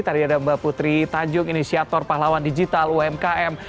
tadi ada mbak putri tanjung inisiator pahlawan digital umkm